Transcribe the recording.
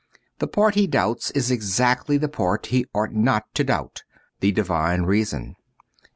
The part he doubts is exactly the part he ought not to doubt — the Divine Reason.